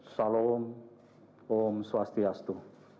salam om swastiastu